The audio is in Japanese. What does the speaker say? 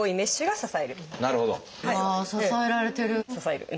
ああ支えられてる。